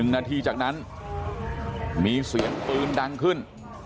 นาทีจากนั้นมีเสียงปืนดังขึ้น